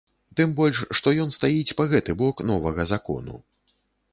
Тым больш што ён стаіць па гэты бок новага закону.